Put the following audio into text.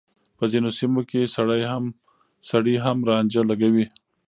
په ځينو سيمو کې سړي هم رانجه لګوي.